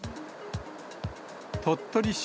鳥取市